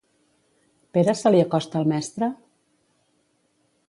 Pere se li acosta al mestre?